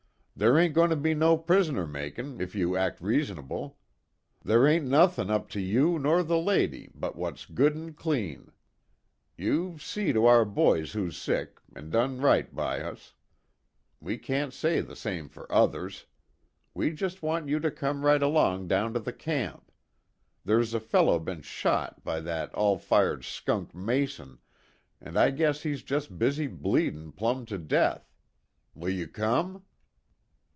Ther' ain't goin' to be no prisoner makin' if you'll act reas'nable. Ther' ain't nuthin' up to you nor the leddy but wot's good an' clean. You've see to our boys who's sick, an' just done right by us we can't say the same fer others. We just want you to come right along down to the camp. Ther's a feller bin shot by that all fired skunk Mason, an' I guess he's jest busy bleedin' plumb to death. Will you come?"